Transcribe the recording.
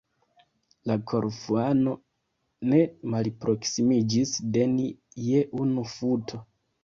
La Korfuano ne malproksimiĝis de ni je unu futo.